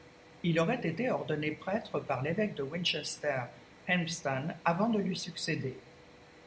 Il aurait été ordonné prêtre par l'évêque de Winchester Helmstan avant de lui succéder.